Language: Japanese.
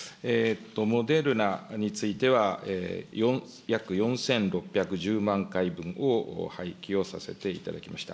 モデルナについては、約４６１０万回分を廃棄をさせていただきました。